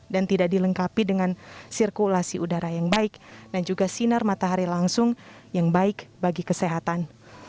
dan tidak dilengkapi dengan sirkulasi udara yang baik dan juga sinar matahari langsung yang baik bagi kesehatan